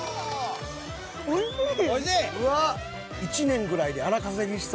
おいしい！